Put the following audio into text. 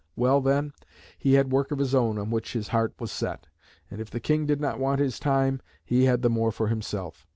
Well, then, he had work of his own on which his heart was set; and if the King did not want his time, he had the more for himself.